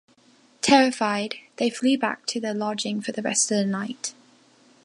Terrified, they flee back to their lodging for the rest of the night.